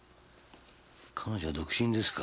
「彼女独身ですか？